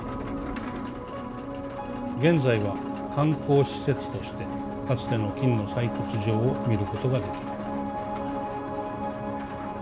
「現在は観光施設としてかつての金の採掘場を見ることができる」。